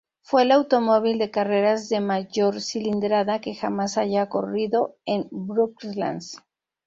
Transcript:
Fue el automóvil de carreras de mayor cilindrada que jamás haya corrido en Brooklands.